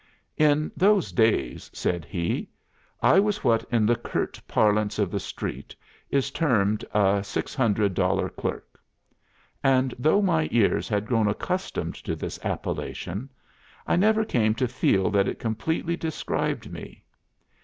"In those days," said he, "I was what in the curt parlance of the street is termed a six hundred dollar clerk. And though my ears had grown accustomed to this appellation, I never came to feel that it completely described me.